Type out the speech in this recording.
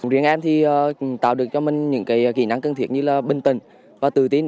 riêng em thì tạo được cho mình những kỹ năng cần thiết như là bình tân và tự tin